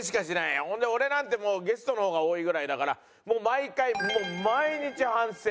ほんで俺なんてもうゲストの方が多いぐらいだからもう毎回毎日反省。